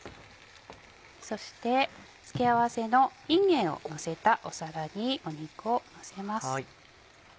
そして付け合わせのいんげんをのせた皿にお肉をのせます。